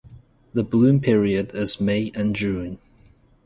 The bloom period is May and June.